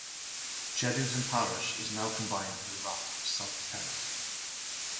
Chedington parish is now combined with that of South Perrott.